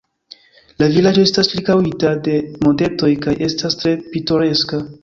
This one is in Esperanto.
La vilaĝo estas ĉirkaŭita de montetoj kaj estas tre pitoreska.